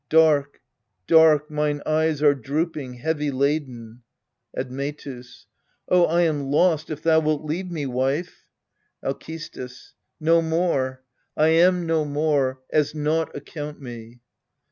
Dark dark mine eyes are drooping, heavy laden. Admetus. Oh, I am lost if thou wilt leave me, wife ! t Alcestis. No more I am no more : as naught account me.